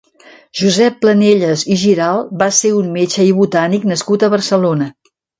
Josep Planellas i Giralt va ser un metge i botànic nascut a Barcelona.